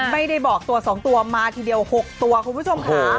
ไม่ได้บอกตัว๒ตัวมาทีเดียว๖ตัวคุณผู้ชมค่ะ